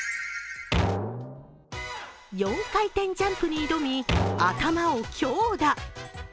４回転ジャンプに挑み、頭を強打。